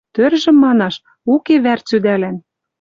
Тӧржӹм манаш, уке вӓр цӱдӓлӓн.